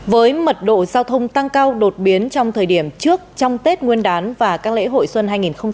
với mật độ giao thông tăng cao đột biến trong thời điểm trước trong tết nguyên đán và các lễ hội xuân hai nghìn hai mươi bốn